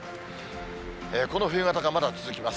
この冬型がまだ続きます。